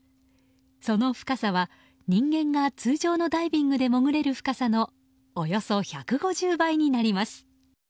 その深さは、人間が通常のダイビングで潜れる深さのおよそ１５０倍になります。